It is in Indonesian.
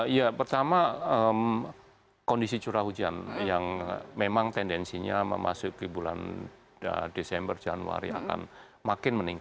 ya pertama kondisi curah hujan yang memang tendensinya memasuki bulan desember januari akan makin meningkat